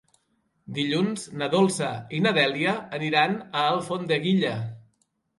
Dilluns na Dolça i na Dèlia aniran a Alfondeguilla.